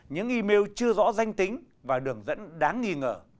những email chưa rõ danh tính và đường dẫn đáng nghi ngờ